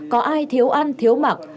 có ai thiếu ăn thiếu mặc